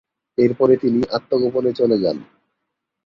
এরপরই তিনি আত্মগোপনে চলে যান।